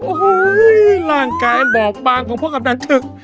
โอ้โหร่างกายบอบบางของพ่อกำนันทึก